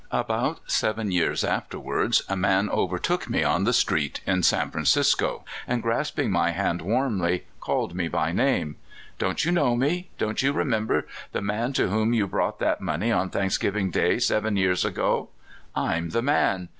About seven years afterward a man overtook me on the street in San Francisco, and grasping my hand warmly, called me by name: "Don't you know me? Don't you remembei the man to whom you brought that money on thanksgiving day, seven years ago? I 'm the man.